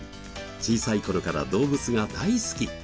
小さい頃から動物が大好き！